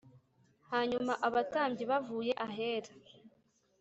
Hanyuma abatambyi bavuye Ahera